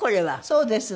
そうです。